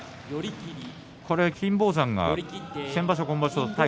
金峰山は先場所、今場所